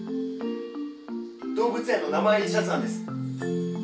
動物園の名前入りシャツなんです。